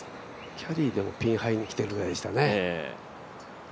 キャリーでピンハイにきている感じでしたね。